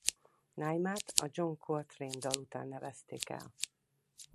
Naima-t a John Coltrane dal után nevezték el.